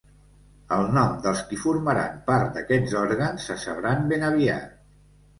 Els noms dels qui formaran part d’aquests òrgans se sabran ben aviat.